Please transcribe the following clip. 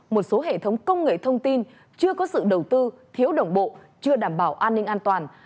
một số hệ thống công nghệ thông tin chưa có sự đầu tư thiếu đồng bộ chưa đảm bảo an ninh an toàn